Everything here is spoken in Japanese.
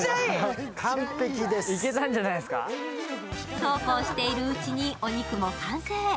そうこうしているうちにお肉も完成。